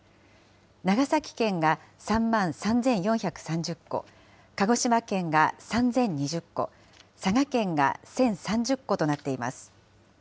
長崎県が３万３４３０戸、鹿児島県が３０２０戸、佐賀県が１０３０戸となっています。